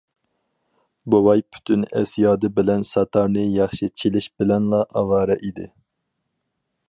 بوۋاي پۈتۈن ئەس- يادى بىلەن ساتارنى ياخشى چېلىش بىلەنلا ئاۋارە ئىدى.